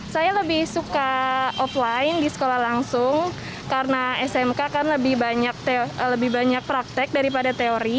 saya lebih suka offline di sekolah langsung karena smk kan lebih banyak praktek daripada teori